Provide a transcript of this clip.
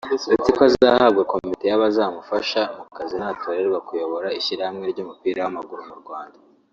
ndetse ko azanahabwa komite y’abazamufasha mu kazi natorerwa kuyobora ishyirahamwe ry’umupira w’amaguru mu Rwanda